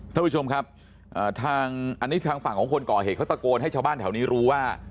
ท่านผู้ชมครับทางอันนี้ทางฝั่งของคนก่อเหตุเขาตะโกนให้ชาวบ้านแถวนี้รู้ว่า